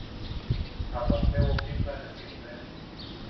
Amak ne wokimmea ne simne.